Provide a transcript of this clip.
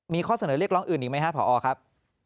มีข้อเสนอเรียกร้องอื่นอีกไหมครับพอครับ